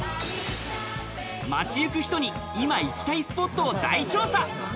街ゆく人に今、行きたいスポットを大調査。